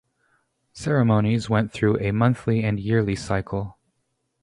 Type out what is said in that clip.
Ceremonies went through a monthly and yearly cycle.